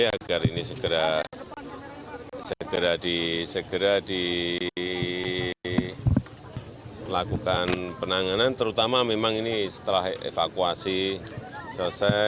agar ini segera dilakukan penanganan terutama memang ini setelah evakuasi selesai